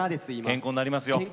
健康になります。